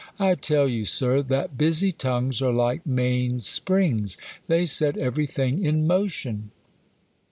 I tell you, Sir, that busy tongues are like main springs ; they set every thing in motion.